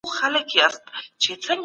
کیدای سي نوی نسل واک واخلي.